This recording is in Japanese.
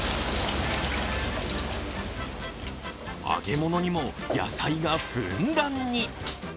揚げ物にも野菜がふんだんに。